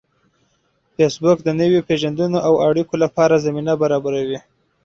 فېسبوک د نویو پیژندنو او اړیکو لپاره زمینه برابروي